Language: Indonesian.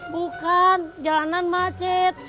bukan jalanan macet